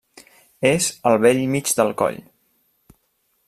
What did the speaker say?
És al bell mig del coll.